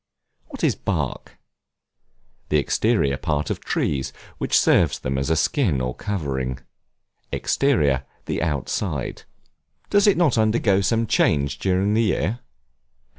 What is Bark? The exterior part of trees, which serves them as a skin or covering. Exterior, the outside. Does it not undergo some change during the year?